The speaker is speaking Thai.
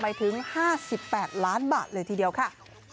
ไปถึง๕๘ล้านบาทเลยทีเดียวค่ะ